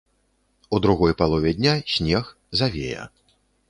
У другой палове дня снег, завея.